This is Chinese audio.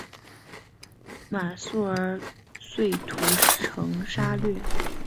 满速儿遂屠城杀掠。